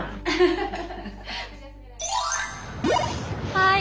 はい！